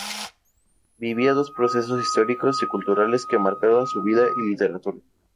Vivió dos procesos históricos y culturales que marcaron su vida y literatura.